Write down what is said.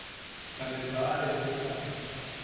Ta ne baʼareotukan.